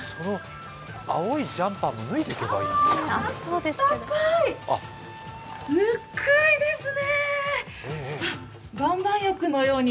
青いジャンパーも脱いでいけばいいのに。